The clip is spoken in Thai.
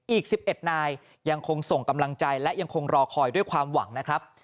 อีก๑๑นายยังคงส่งกำลังใจและยังคงรอคอยด้วยความหวังนะครับ